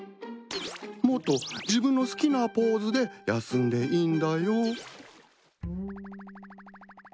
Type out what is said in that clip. もっと自分の好きなポーズで休んでいいんだよ。